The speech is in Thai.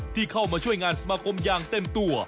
ที่เข้ามาช่วยงานสมาคมอย่างเต็มตัว